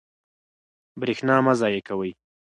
برښنا مه ضایع کوئ.